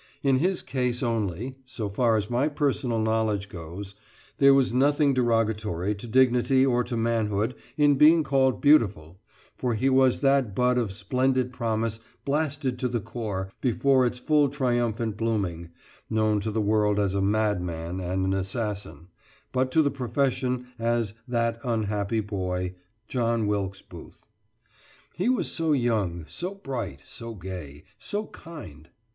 In his case only (so far as my personal knowledge goes), there was nothing derogatory to dignity or to manhood in being called beautiful, for he was that bud of splendid promise blasted to the core, before its full triumphant blooming known to the world as a madman and an assassin, but to the profession as "that unhappy boy" John Wilkes Booth. He was so young, so bright, so gay so kind.